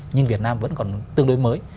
nhưng việt nam vẫn còn tương đối mới